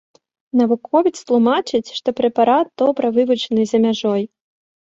Навуковец тлумачыць, што прэпарат добра вывучаны за мяжой.